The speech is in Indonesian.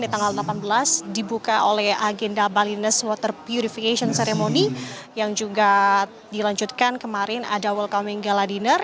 di tanggal delapan belas dibuka oleh agenda baliness water purifiation ceremony yang juga dilanjutkan kemarin ada worlcoming gala dinner